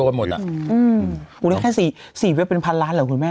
ผมนึกว่าแค่๔เว็บเป็นพันล้านเหรอคุณแม่